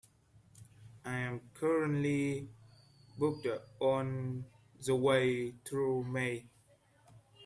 I'm currently booked all the way through May.